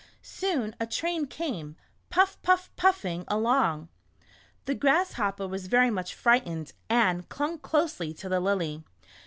Soon a train came "puff, puff, puffing" along. The Grasshopper was very much fright ened, and clung closely to the Lily.